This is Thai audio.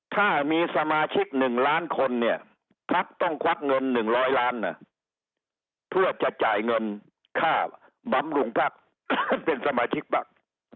ถ้ามีสมาชิกหนึ่งล้านคนเนี่ยพักต้องกว้างเงินหนึ่งร้อยล้านน่ะเพื่อจะจ่ายเงินค่ามาบำรุงพรรคเป็นสมาชิกมาก